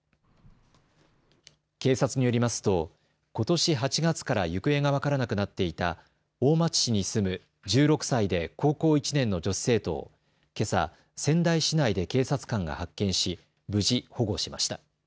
警察によりますとことし８月から行方が分からなくなっていた大町市に住む１６歳で高校１年の女子生徒をけさ、仙台市内で警察官が発見し無事保護しました。